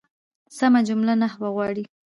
سمه جمله نحوه غواړي.